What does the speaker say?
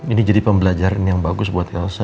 ini jadi pembelajaran yang bagus buat helsa